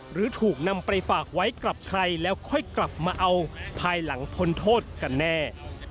หรือถูกนำไปฝากไว้กับใครแล้วค่อยกลับมาเอาภายหลังพ้นโทษกันแน่